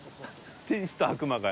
天使と悪魔が。